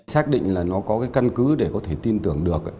xác định là nó có cái căn cứ để có thể tin tưởng được